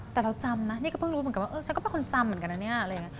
แต่เราจำนะนี่ก็เพิ่งรู้เหมือนกันว่าเออฉันก็เป็นคนจำเหมือนกันนะเนี่ยอะไรอย่างนี้